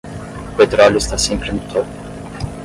O petróleo está sempre no topo.